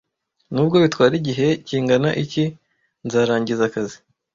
Nubwo bitwara igihe kingana iki, nzarangiza akazi.